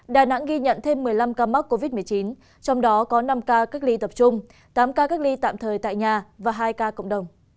đà nẵng ghi nhận thêm một mươi năm ca mắc covid một mươi chín trong đó có năm ca cách ly tập trung tám ca cách ly tạm thời tại nhà và hai ca cộng đồng